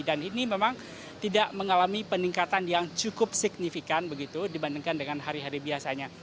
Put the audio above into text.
dan ini memang tidak mengalami peningkatan yang cukup signifikan begitu dibandingkan dengan hari hari biasanya